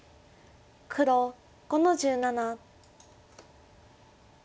黒５の十七。